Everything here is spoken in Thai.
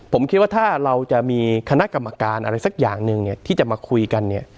ผมคิดว่าถ้าเราจะมีคณะกรรมการอะไรสักอย่างหนึ่งเนี่ยที่จะมาคุยกันเนี่ย